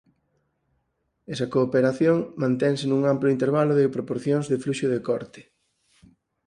Esa cooperación mantense nun amplo intervalo de proporcións de fluxo de corte.